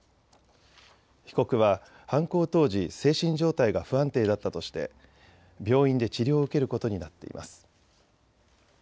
被告は犯行当時、精神状態が不安定だったとして病院で治療を受けることになっています。